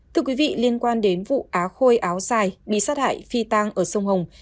thưa quý vị liên quan đến vụ á khôi áo sai bị sát hại phi tàng ở sông hồng